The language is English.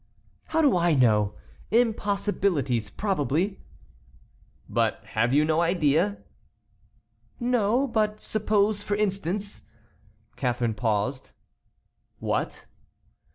"How do I know? Impossibilities, probably." "But have you no idea?" "No; but suppose for instance"— Catharine paused. "What."